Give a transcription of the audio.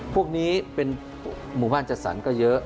พวกนี้เป็นหมู่บ้านจัดสรรก็เยอะ